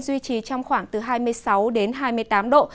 duy trì trong khoảng từ hai mươi sáu đến hai mươi tám độ